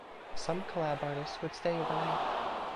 Some Colab artists would stay overnight.